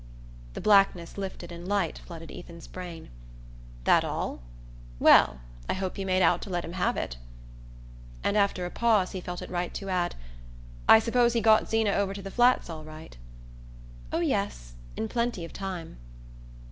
The blackness lifted and light flooded Ethan's brain. "That all? Well, I hope you made out to let him have it." And after a pause he felt it right to add: "I suppose he got Zeena over to the Flats all right?" "Oh, yes; in plenty of time."